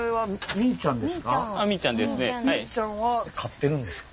みーちゃんですね。